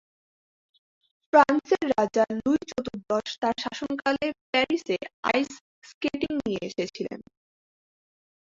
ফ্রান্সের রাজা লুই চতুর্দশ তার শাসনকালে প্যারিসে আইস স্কেটিং নিয়ে এসেছিলেন।